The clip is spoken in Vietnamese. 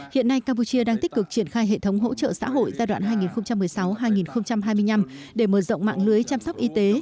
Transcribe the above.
hiện nay campuchia đang tích cực triển khai hệ thống hỗ trợ xã hội giai đoạn hai nghìn một mươi sáu hai nghìn hai mươi năm để mở rộng mạng lưới chăm sóc y tế